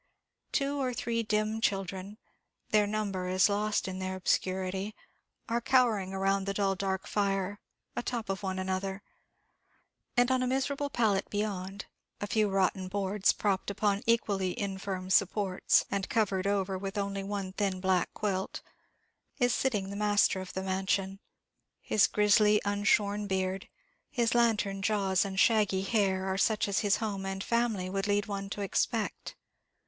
Two or three dim children their number is lost in their obscurity are cowering round the dull, dark fire, atop of one another; and on a miserable pallet beyond a few rotten boards, propped upon equally infirm supports, and covered over with only one thin black quilt is sitting the master of the mansion; his grizzly, unshorn beard, his lantern jaws and shaggy hair, are such as his home and family would lead one to expect.